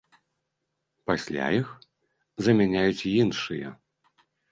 Пасля іх замяняюць іншыя.